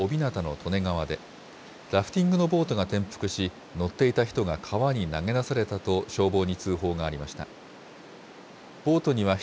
きのう午後４時ごろ、群馬県みなかみ町小日向の利根川で、ラフティングのボートが転覆し、乗っていた人が川に投げ出されたと、消防に通報がありました。